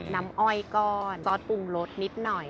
น้ำอ้อยก้อนซอสปรุงรสนิดหน่อย